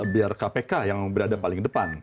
biar kpk yang berada paling depan